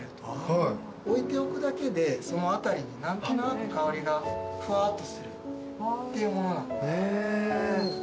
置いておくだけでその辺りに何となく香りがフワーっとするっていうもの。